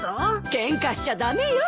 ケンカしちゃ駄目よ。